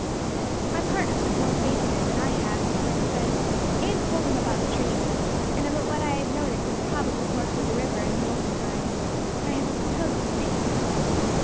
"My partners have more faith in it than I have," Frank said. "Abe told them about the dream, and about what I had noticed of the probable course of the river in the olden times, and I have a proposal to make to you.